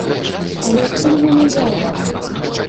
Але адкуль ён узяўся?